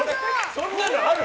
そんなのある？